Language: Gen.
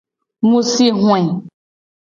Mu si hoe.